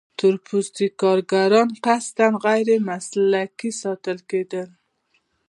تور پوستي کارګران قصداً غیر مسلکي ساتل کېدل.